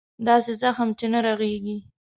داسې زخم چې نه رغېږي.